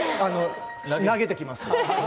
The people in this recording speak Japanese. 投げてきます。